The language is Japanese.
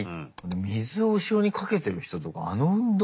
水を後ろにかけてる人とかあの運動